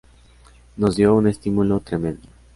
Nos dio un estímulo tremendo.